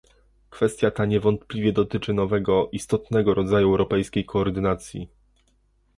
Kwestia ta niewątpliwie dotyczy nowego, istotnego rodzaju europejskiej koordynacji